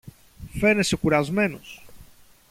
φαίνεσαι κουρασμένος